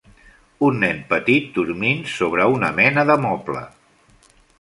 Un nen petit dormint sobre una mena de moble.